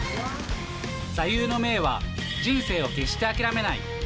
座右の銘は、人生を決して諦めない。